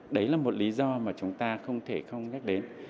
đấy là một lý do mà chúng ta không thể không nhắc đến